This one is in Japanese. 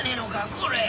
これ。